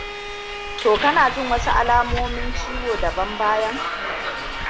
to kana jin wasu alamomi ciwo daban-bayan